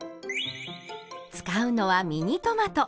使うのはミニトマト。